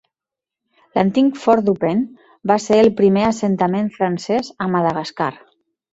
L'antic Fort-Dauphin, va ser el primer assentament francès a Madagascar.